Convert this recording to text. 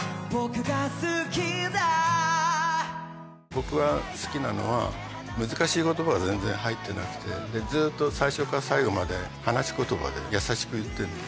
僕は好きなのは難しい言葉は全然入ってなくてずっと最初から最後まで話し言葉で優しく言ってる。